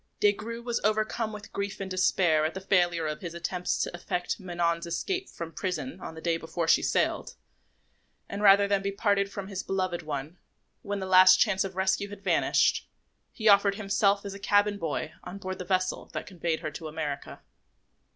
Des Grieux was overcome with grief and despair at the failure of his attempts to effect Manon's escape from prison on the day before she sailed, and, rather than be parted from his beloved one, when the last chance of rescue had vanished, he offered himself as a cabin boy on board the vessel that conveyed her to America.